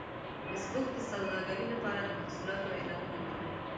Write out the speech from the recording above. فېسبوک د سوداګرۍ لپاره د محصولاتو اعلانونه کوي